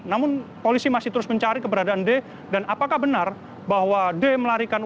namun polisi masih terus mencari keberadaan d dan apakah benar bahwa d melarikan uang lima ratus miliar yang disebutkan oleh dimas kanjeng